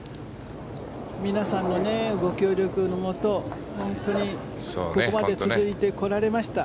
皆さんのご協力のもと、本当にここまで続いてこられました。